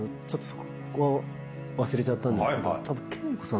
そこは忘れちゃったんですけど。